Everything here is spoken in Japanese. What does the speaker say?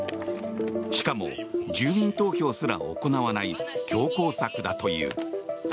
しかも住民投票すら行わない強硬策だという。